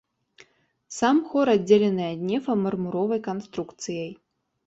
Сам хор аддзелены ад нефа мармуровай канструкцыяй.